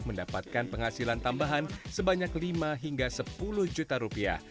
mendapatkan penghasilan tambahan sebanyak lima hingga sepuluh juta rupiah